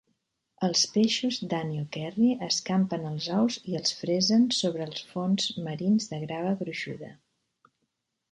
Els peixos Danio Kerri escampen els ous i els fresen sobre els fons marins de grava gruixuda.